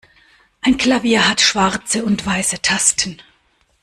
Ein Klavier hat schwarze und weiße Tasten.